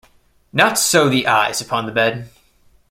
Not so the eyes upon the bed.